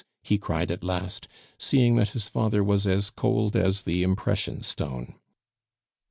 he cried at last, seeing that his father was as cold as the impression stone.